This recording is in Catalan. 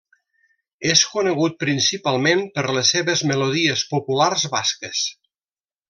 És conegut principalment per les seves melodies populars basques.